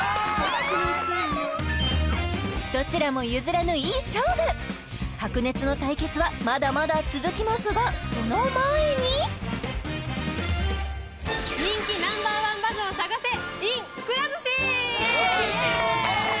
どちらも譲らぬいい勝負白熱の対決はまだまだ続きますがその前にｉｎくら寿司イエーイ！